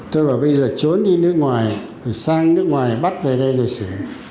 tôi bảo bây giờ trốn đi nước ngoài sang nước ngoài bắt về đây là xử